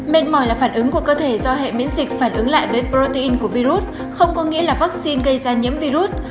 mệt mỏi là phản ứng của cơ thể do hệ miễn dịch phản ứng lại với protein của virus không có nghĩa là vaccine gây ra nhiễm virus